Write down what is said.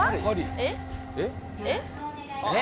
えっ？